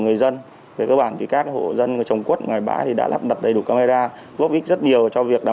người dân các hộ dân trồng quất ngoài bã đã lắp đặt đầy đủ camera góp ích rất nhiều cho việc đảm